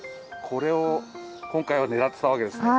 これを今回は狙っていたわけですか？